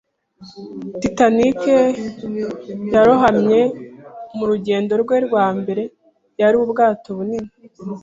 Titanic yarohamye mu rugendo rwe rwa mbere. Yari ubwato bunini.